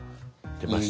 出ました。